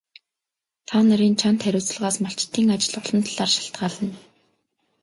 Та нарын чанд хариуцлагаас малчдын ажил олон талаар шалтгаална.